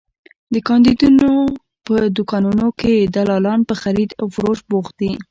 د کاندیدانو په دوکانونو کې دلالان په خرید او فروش بوخت دي.